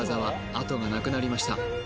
あとがなくなりました